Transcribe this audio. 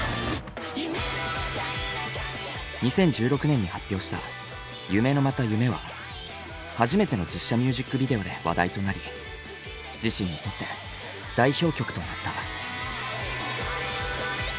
２０１６年に発表した「夢のまた夢」は初めての実写ミュージックビデオで話題となり自身にとって代表曲となった。